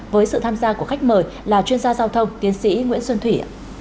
với sự tham gia của khách mời là chuyên gia giao thông tiến sĩ nguyễn xuân thủy